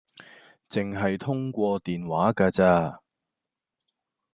淨係通過電話架咋